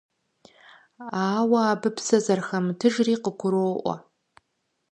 Ауэ абы псэ зэрыхэмытыжри къыгуроӀуэ.